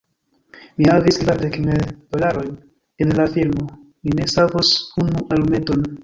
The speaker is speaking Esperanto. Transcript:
Mi havis kvardek mil dolarojn en la firmo; ni ne savos unu alumeton.